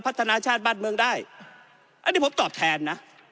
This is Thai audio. พัฒนาชาติบ้านเมืองได้อันนี้ผมตอบแทนนะ